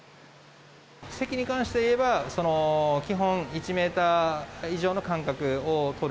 席に関していえば、基本、１メートル以上の間隔を取る。